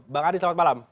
bang adi selamat malam